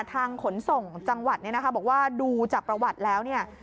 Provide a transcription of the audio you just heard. ขนส่งจังหวัดเนี่ยนะคะบอกว่าดูจากประวัติแล้วเนี่ย